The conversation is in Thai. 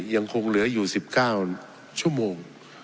ยังคงเหลืออยู่๑๙ชั่วโมง